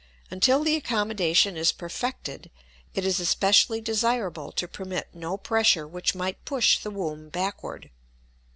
Until the accommodation is perfected, it is especially desirable to permit no pressure which might push the womb backward.